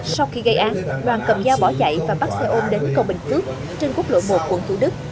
sau khi gây án đoàn cầm dao bỏ chạy và bắt xe ôm đến cầu bình phước trên quốc lộ một quận thủ đức